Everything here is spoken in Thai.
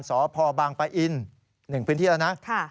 สพบางปะอิน๑พื้นที่แล้วนะ